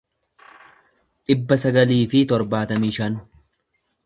dhibba sagalii fi torbaatamii shan